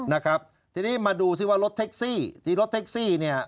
นะครับทีนี้มาดูซิว่ารถแท็กซี่ที่รถแท็กซี่เนี่ย